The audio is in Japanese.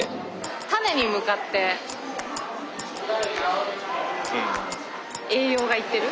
種に向かって栄養が行ってる？